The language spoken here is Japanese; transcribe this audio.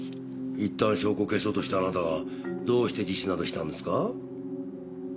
一旦証拠を消そうとしたあなたがどうして自首などしたんですか？